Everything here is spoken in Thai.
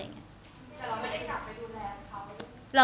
แต่เราไม่ได้กลับไปดูแลเขา